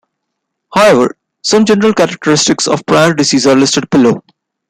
However, some general characteristics of prion diseases are listed below.